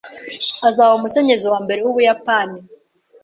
Azaba umukenyezi wa mbere w’umuyapani.